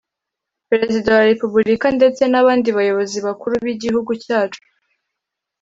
perezida wa repubulika ndetse n abandi bayobozi bakuru b igihugu cyacu